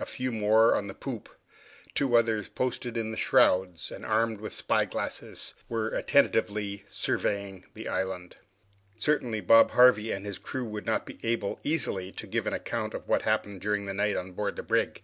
A few more on the poop; two others posted in the shrouds, and armed with spyglasses, were attentively surveying the island. Certainly, Bob Harvey and his crew would not be able easily to give an account of what had happened during the night on board the brig.